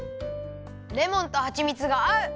レモンとはちみつがあう！